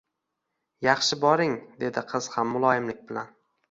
-Yaxshi boring, — dedi qiz ham muloyimlik bilan.